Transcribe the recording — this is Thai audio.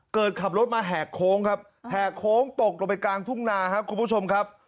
ขับรถมาแหกโค้งครับแหกโค้งตกลงไปกลางทุ่งนาครับคุณผู้ชมครับ